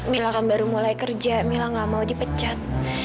mila kan baru mulai kerja mila gak mau dipecat